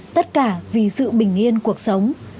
tất cả vì sự bình yên cuộc sống